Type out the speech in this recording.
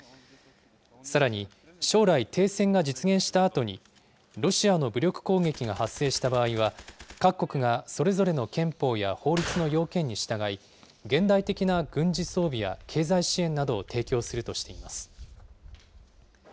さらに、将来、停戦が実現したあとに、ロシアの武力攻撃が発生した場合は、各国がそれぞれの憲法や法律の要件に従い、現代的な軍事装備や経済支援などを提供するとしています。